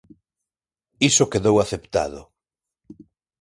Iso quedou aceptado.